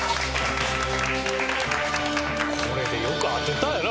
これでよく当てたよな